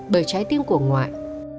bởi trái tim của ngoại